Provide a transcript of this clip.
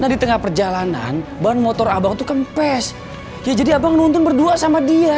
di tengah perjalanan ban motor abang tuh kempes ya jadi abang nonton berdua sama dia